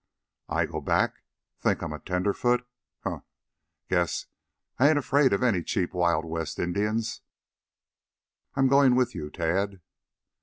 "I go back? Think I'm a tenderfoot? Huh! Guess I ain't afraid of any cheap Wild West Indians. I'm going with you, Tad."